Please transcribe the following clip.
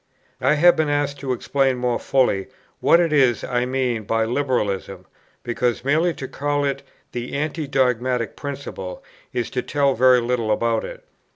I have been asked to explain more fully what it is I mean by "Liberalism," because merely to call it the Anti dogmatic Principle is to tell very little about it.